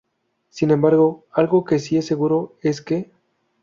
Sin embargo, algo que sí es seguro es que.